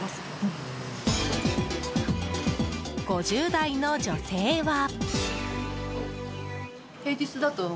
５０代の女性は。